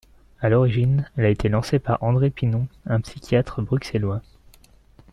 À l'origine, elle a été lancée par André Pinon, un psychiatre bruxellois.